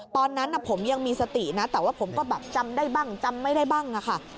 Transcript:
ตอนนั้นผมยังมีสตินะแต่ว่าผมก็แบบจำได้บ้างจำไม่ได้บ้างอะค่ะ